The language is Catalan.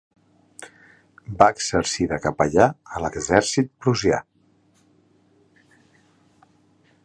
Va exercir de capellà a l'exèrcit prussià.